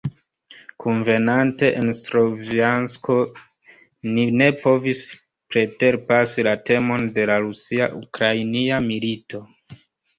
Kunvenante en Slovjansko ni ne povis preterpasi la temon de la rusia-ukrainia milito.